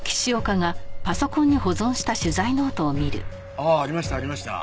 ああありましたありました。